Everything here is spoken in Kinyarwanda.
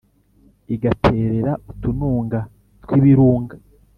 Igaterera utununga tw'ibirunga